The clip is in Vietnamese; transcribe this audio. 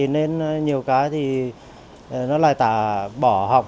nên nhiều cái thì nó lại bỏ học